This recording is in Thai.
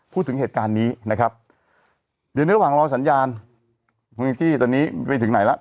พูดถึงเหตุการณ์นี้นะครับเดี๋ยวในระหว่างรอสัญญาณเมืองจี้ตอนนี้ไปถึงไหนแล้ว